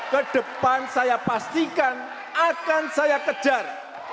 kedepan saya pastikan akan saya kejar